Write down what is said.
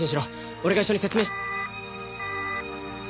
俺が一緒に説明。